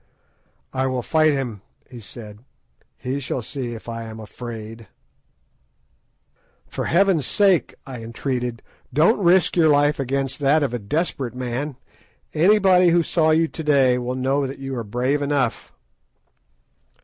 "I will fight him," he said; "he shall see if I am afraid." "For Heaven's sake," I entreated, "don't risk your life against that of a desperate man. Anybody who saw you to day will know that you are brave enough."